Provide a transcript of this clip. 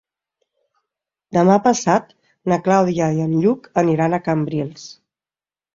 Demà passat na Clàudia i en Lluc aniran a Cambrils.